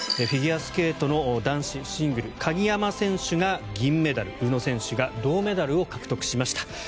フィギュアスケートの男子シングル鍵山選手が銀メダル宇野選手が銅メダルを獲得しました。